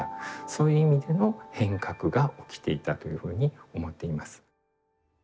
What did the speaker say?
そういう意味での変革が起きていたというふうに思っています。